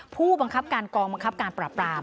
ผู้บังคับการกองบังคับการปราบราม